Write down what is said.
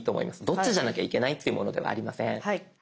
どっちじゃなきゃいけないってものではありません。